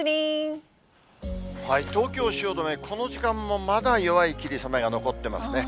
東京・汐留、この時間もまだ弱い霧雨が残ってますね。